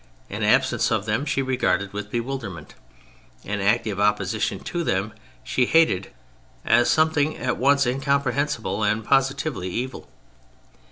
An absence of them she regarded with bewilderment, an active opposition to them she hated as something at once incomprehensible and positively evil.